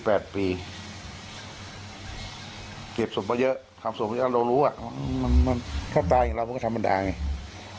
เกลียดสมเยอะความสุขไม่เยอะเรารู้อ่ะถ้าตายแล้วเราก็ทำปัญหาไง